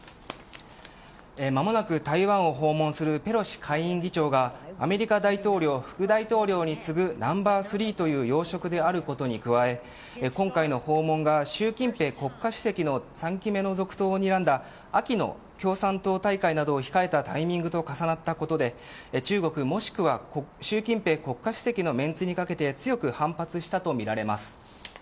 間もなく台湾を訪問するペロシ下院議長がアメリカ大統領副大統領に次ぐナンバー３という要職であることに加え今回の訪問が習近平国家主席の３期目の続投をにらんだ秋の共産党大会などを控えたタイミングと重なったことで中国、もしくは習近平国家主席のメンツにかけて強く反発したとみられます。